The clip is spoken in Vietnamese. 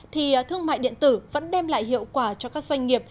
thì thương mại điện tử vẫn đem lại hiệu quả cho các doanh nghiệp